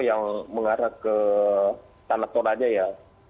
yang mengarah ke tanah tor aja ya